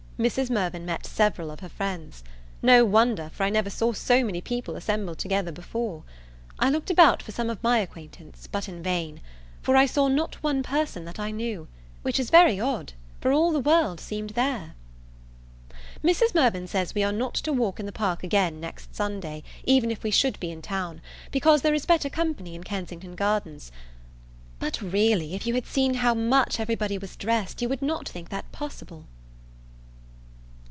Mrs. Mirvan met several of her friends. No wonder, for I never saw so many people assembled together before. I looked about for some of my acquaintance, but in vain; for I saw not one person that I knew, which is very odd, for all the world seemed there. Mrs. Mirvan says we are not to walk in the Park again next Sunday, even if we should be in town, because there is better company in Kensington Gardens; but really if you had seen how much every body was dressed, you would not think that possible.